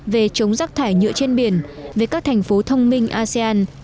về chống rác thải nhựa trên biển về các thành phố thông minh asean